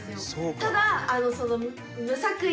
ただ。